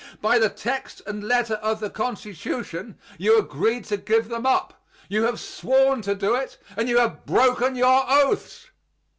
By the text and letter of the Constitution you agreed to give them up. You have sworn to do it, and you have broken your oaths.